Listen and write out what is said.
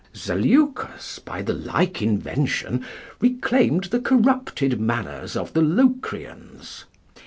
Zeleucus by the like invention reclaimed the corrupted manners of the Locrians.